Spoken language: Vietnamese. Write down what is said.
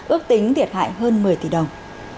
ước tính thiệt hại hơn một mươi tỷ đồng